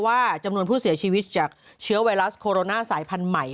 ว่าจำนวนผู้เสียชีวิตจากเชื้อไวรัสโคโรนาสายพันธุ์ใหม่